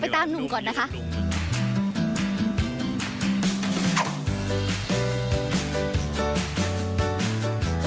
ตามหนุ่มก่อนนะคะ